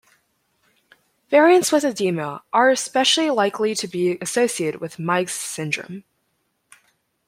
Variants with edema are especially likely to be associated with Meigs' syndrome.